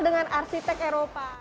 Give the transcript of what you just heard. dengan arsitek eropa